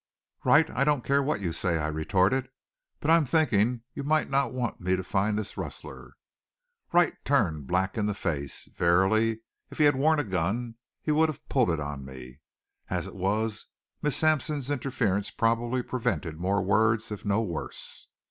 "Wright, I don't care what you say," I retorted. "But I'm thinking you might not want me to find this rustler." Wright turned black in the face. Verily, if he had worn a gun he would have pulled it on me. As it was, Miss Sampson's interference probably prevented more words, if no worse.